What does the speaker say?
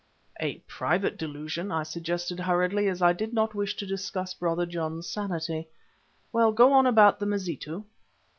"A private delusion," I suggested hurriedly, as I did not wish to discuss Brother John's sanity. "Well, go on about the Mazitu."